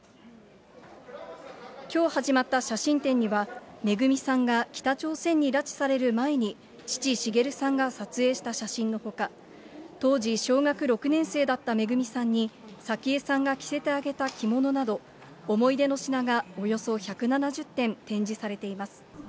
きょう始まった写真展には、めぐみさんが北朝鮮に拉致される前に、父、滋さんが撮影した写真のほか、当時、小学６年生だっためぐみさんに、早紀江さんが着せてあげた着物など、思い出の品がおよそ１７０点展示されています。